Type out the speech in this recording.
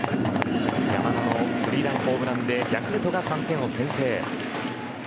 山田のスリーランホームランでヤクルトが３点を先制。